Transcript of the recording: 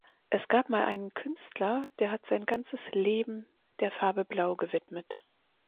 Es gab mal einen Künstler, der hat sein ganzes Leben der Farbe Blau gewidmet.